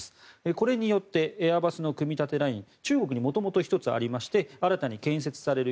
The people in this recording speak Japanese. これによってエアバスの組み立てライン中国に元々１つありまして新たに建設される